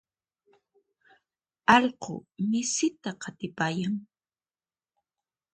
Allqu misita qatipayan.